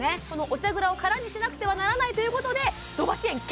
このお茶蔵を空にしなくてはならないということで土橋園